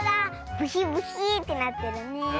ブヒブヒーってなってるね。